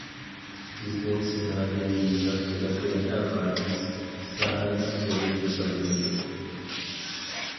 بىزدە سېنارىيە يېزىقچىلىقى ئەڭ ئاجىز ساھەنىڭ بىرى ھېسابلىنىدۇ.